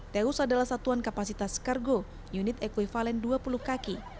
teus adalah satuan kapasitas kargo unit ekvivalen dua puluh kaki